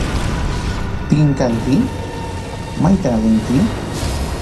¿Pim kanki? ¿Maytam rinki?